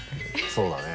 そうだね。